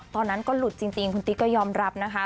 ตอนนั้นก็หลุดจริงคุณติ๊กก็ยอมรับนะคะ